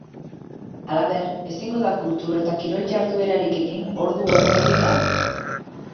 Halaber, ezingo da kultur eta kirol jarduerarik egin ordu horretatik aurrera.